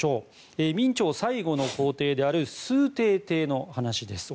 主に明朝最後の皇帝である崇禎帝の話です。